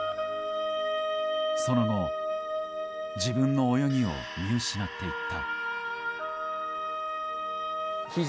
その後自分の泳ぎを見失っていった。